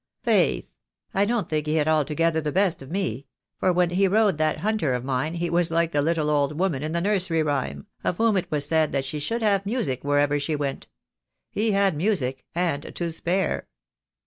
"Faith, I don't think he had altogether the best of me — for when he rode that hunter of mine he was like the little old woman in the nursery rhyme, of whom it was said that she should have music wherever she went. He had music, and to spare."